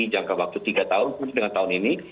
jangka waktu tiga tahun sampai dengan tahun ini